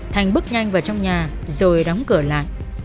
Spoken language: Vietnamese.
thành bước nhanh vào trong nhà rồi đóng cửa lại